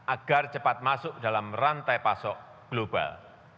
agar cepat masuk dalam rantai pasok global